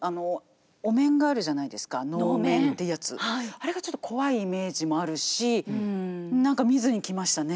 あれがちょっと怖いイメージもあるし何か見ずにきましたね。